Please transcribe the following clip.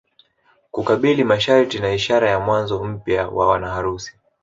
Kukabili masharti na ishara ya mwanzo mpya wa wanaharusi